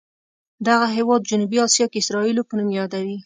دغه هېواد جنوبي اسیا کې اسرائیلو په نوم یادوي.